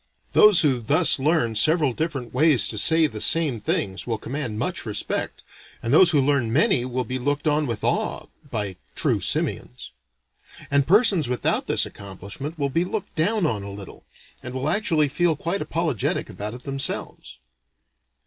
Those who thus learn several different ways to say the same things, will command much respect, and those who learn many will be looked on with awe by true simians. And persons without this accomplishment will be looked down on a little, and will actually feel quite apologetic about it themselves.